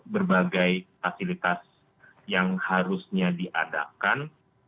berbagai fasilitas yang harusnya diadakan